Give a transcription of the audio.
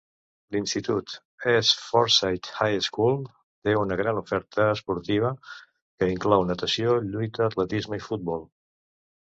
L'institut East Forsyth High School té una gran oferta esportiva que inclou natació, lluita, atletisme i futbol.